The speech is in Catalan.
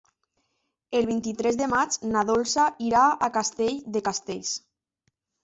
El vint-i-tres de maig na Dolça irà a Castell de Castells.